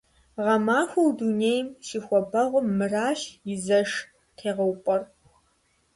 Гъэмахуэу дунейм щихуабэгъуэм мыращ и зэш тегъэупӀэр.